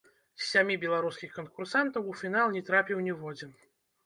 З сямі беларускіх канкурсантаў у фінал не трапіў ніводзін.